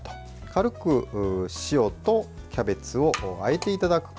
軽く塩とキャベツをあえていただく。